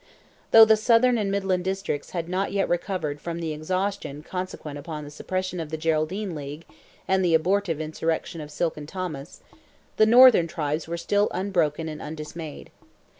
Though the southern and midland districts had not yet recovered from the exhaustion consequent upon the suppression of the Geraldine league and the abortive insurrection of Silken Thomas, the northern tribes were still unbroken and undismayed.